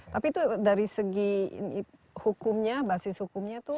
tapi itu dari segi hukumnya basis hukumnya itu